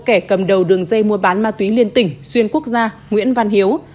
kẻ cầm đầu đường dây mua bán ma túy liên tỉnh xuyên quốc gia nguyễn văn hiếu